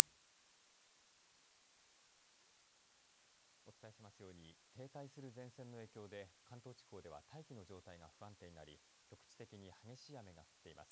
お伝えしていますように停滞する前線の影響で関東地方では大気の状態が不安定になり局地的に激しい雨が降っています。